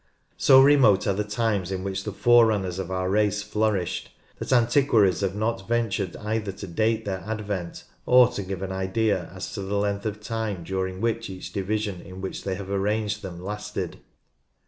So remote are the times in which the forerunners of our race flourished, that antiquaries have not ventured either to date their advent, or to give an idea as to the length of time during which each division in which they have arranged them lasted.